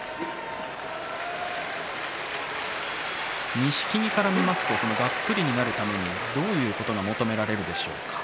錦木から見ますとがっぷりになるためにどういうことが求められるでしょうか。